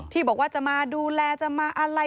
ที่บอกว่าจะมาดูแลจะมาอะไร